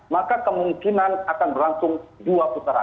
maka kemungkinan akan berlangsung dua putaran